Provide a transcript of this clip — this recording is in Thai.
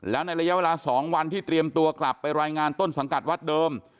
แล้วในระยะเวลา๒วันที่เตรียมตัวกลับไปรายงานต้นสังกัดวัดเดิม